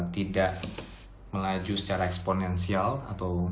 tidak melaju secara eksponensial atau